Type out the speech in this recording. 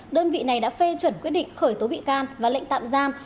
đơn vị này đã phê chuẩn quyết định khởi tố bị can và lệnh tạm giam